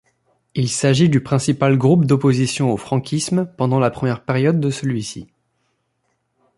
Il s'agit du principal groupe d'opposition au franquisme pendant la première période de celui-ci.